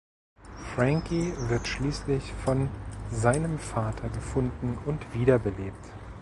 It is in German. Frankie wird schließlich von seinem Vater gefunden und wiederbelebt.